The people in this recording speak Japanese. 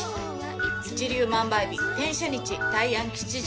一粒万倍日天赦日大安吉日